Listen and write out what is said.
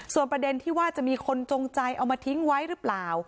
ส่วนประเด็นที่ว่าจะมีคนจงใจเอามาทิ้งไว้หรือเปล่า